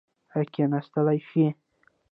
ایا کیناستلی شئ؟